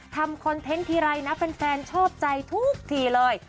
คอนเทนต์ทีไรนะแฟนชอบใจทุกทีเลย